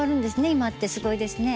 今ってすごいですね。